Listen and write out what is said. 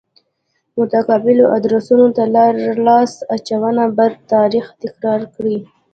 متقابلو ادرسونو ته لاس اچونه بد تاریخ تکرار کړ.